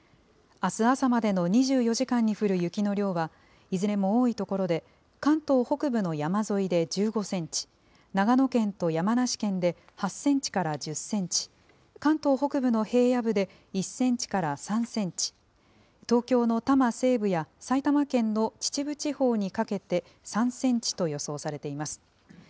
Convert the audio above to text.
あす朝までの２４時間に降る雪の量は、いずれも多い所で、関東北部の山沿いで１５センチ、長野県と山梨県で８センチから１０センチ、関東北部の平野部で１センチから３センチ、東京の多摩西部や埼玉県の秩父地方にかけて３センチと予想されています。